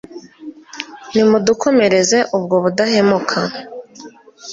nimudukomereze ubwo budahemuka